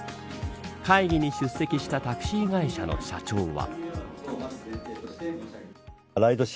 会議に出席したタクシー会社の社長は。